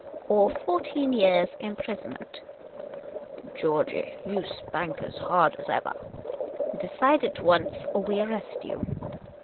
Or fourteen years' imprisonment !"" Georgey, you spank as hard as evah !"" Decide at once, or we arrest you